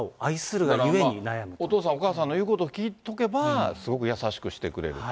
お父さん、お母さんの言うことを聞いとけば、すごく優しくしてくれる。